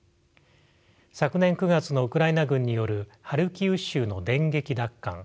昨年９月のウクライナ軍によるハルキウ州の電撃奪還